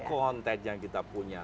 kontennya kita punya